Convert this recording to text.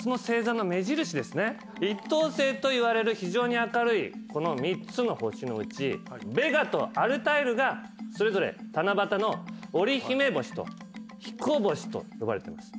一等星といわれる非常に明るいこの３つの星のうちベガとアルタイルがそれぞれ七夕のおりひめ星とひこ星と呼ばれています。